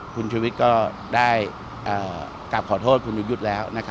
คุณชูวิทธิ์ก็ได้กลับขอโทษคุณยุ่งยุทธิ์แล้ว